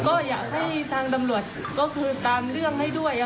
ก็อยากให้ทางตำรวจก็คือตามเรื่องให้ด้วย